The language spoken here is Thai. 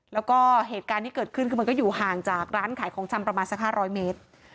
แล้วก็เหตุการณ์ที่เกิดขึ้นคือมันก็อยู่ห่างจากร้านขายของชำประมาณสัก๕๐๐เมตร